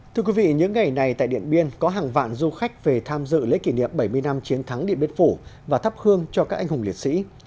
thưa quý vị những ngày này tại điện biên có hàng vạn du khách về tham dự lễ kỷ niệm bảy mươi năm chiến thắng điện biên phủ và thắp hương cho các anh hùng liệt sĩ